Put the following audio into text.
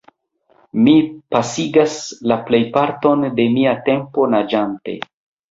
Mi pasigas la plejparton de mia tempo naĝante.